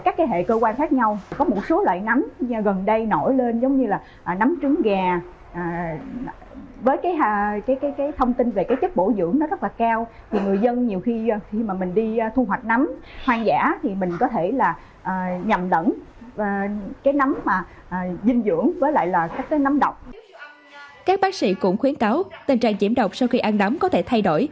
các bác sĩ cũng khuyến cáo tình trạng diễm độc sau khi ăn nắm có thể thay đổi